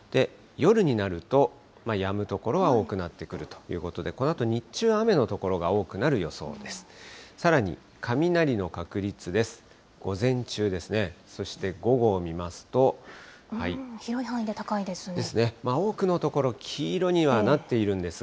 夜になると、やむ所は多くなってくるということで、このあと日中、雨の所が多くなる予想です。